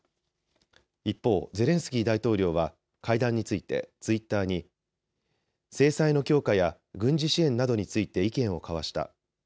一方、ゼレンスキー大統領は会談についてツイッターに制裁の強化や軍事支援などについて意見を交わした。